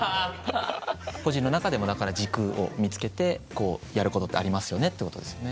個人の中でもだから軸を見つけてこうやることってありますよねってことですよね。